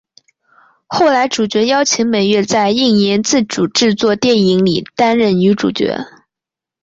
后来主角邀请美月在映研自主制作电影里担任女主角。